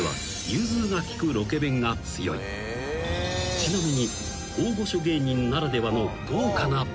［ちなみに］